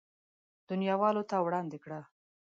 دنياوالو ته وړاندې کړه.